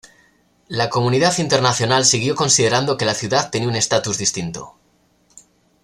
La comunidad internacional siguió considerando que la ciudad tenía un estatus distinto.